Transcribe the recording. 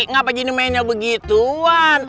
kau mainnya begituan